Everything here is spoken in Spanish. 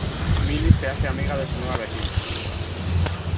Milly se hace amiga de su nueva vecina, Ginebra.